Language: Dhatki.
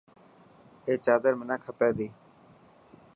اي چادر منا کپي تي.